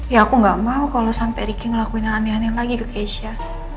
ya aku gak mau kalo sampe riki ngelakuin yang aneh aneh lagi ke keisha